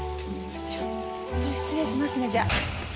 ちょっと失礼しますねじゃあ。